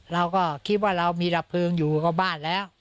เราก็คิดว่าเรามีระเบิดอยู่บ้านแล้ว